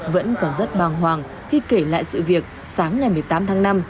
vẫn còn rất bàng hoàng khi kể lại sự việc sáng ngày một mươi tám tháng năm